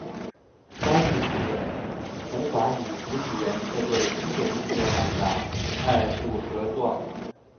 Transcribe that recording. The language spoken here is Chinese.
该剧是桐华与吴锦源这对经典制作档的二度合作。